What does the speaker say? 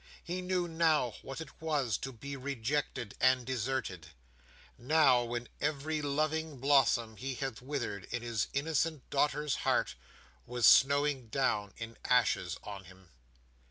He knew, now, what it was to be rejected and deserted; now, when every loving blossom he had withered in his innocent daughter's heart was snowing down in ashes on him.